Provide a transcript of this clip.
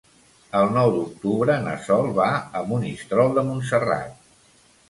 El nou d'octubre na Sol va a Monistrol de Montserrat.